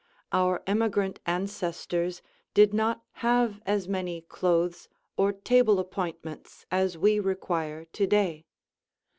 Our emigrant ancestors did not have as many clothes or table appointments as we require to day.